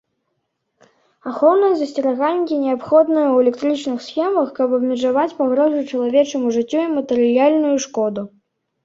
Ахоўныя засцерагальнікі неабходныя ў электрычных схемах, каб абмежаваць пагрозу чалавечаму жыццю і матэрыяльную шкоду.